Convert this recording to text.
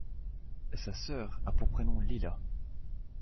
Sa sœur a pour prénom Lila.